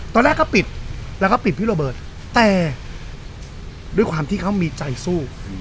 ตอนแรกก็ปิดแล้วก็ปิดพี่โรเบิร์ตแต่ด้วยความที่เขามีใจสู้